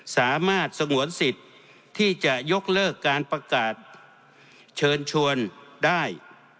สามารถสงวนสิทธิ์ที่จะยกเลิกการประกาศเชิญชวนได้